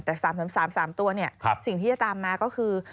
แต่๓๓๓ตัวสิ่งที่จะตามมาก็คือ